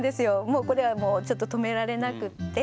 もうこれはもうちょっと止められなくって。